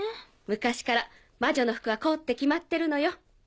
昔から魔女の服はこうって決まってるのよ。